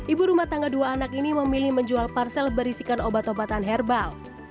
ibu rumah tangga dua anak ini memilih menjual parsel berisikan obat obatan herbal